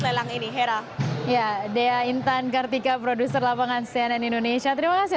lelang ini hera